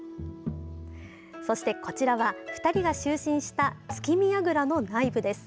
そしてこちらは２人が就寝した月見やぐらの内部です。